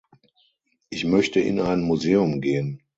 Ich möchte in ein Museum gehen.